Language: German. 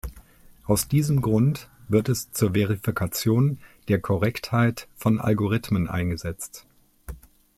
Aus diesem Grund wird es zur Verifikation der Korrektheit von Algorithmen eingesetzt.